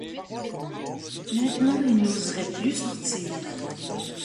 Maintenant il n’oserait plus sortir !